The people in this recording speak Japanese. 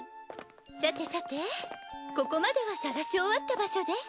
さてさてここまでは捜し終わった場所です。